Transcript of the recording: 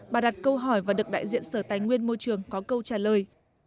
bà đặt câu hỏi và được đại diện sở tài nguyên môi trường có câu trả lời